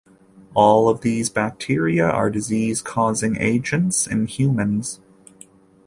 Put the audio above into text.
All of these bacteria are disease causing agents in humans.